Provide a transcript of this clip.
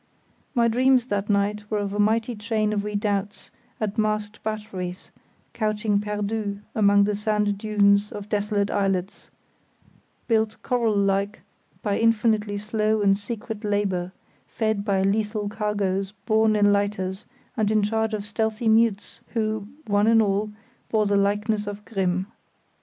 My dreams that night were of a mighty chain of redoubts and masked batteries couching perdus among the sand dunes of desolate islets; built, coral like, by infinitely slow and secret labour; fed by lethal cargoes borne in lighters and in charge of stealthy mutes who, one and all, bore the likeness of Grimm.